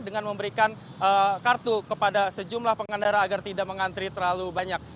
dengan memberikan kartu kepada sejumlah pengendara agar tidak mengantri terlalu banyak